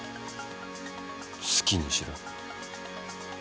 好きにしろ。